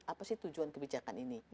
apa sih tujuan kebijakan ini